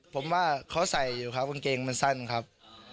ผมว่าเขาใส่อยู่ครับกางเกงมันสั้นครับ